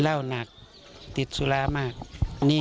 และทิ้งไม่แพ้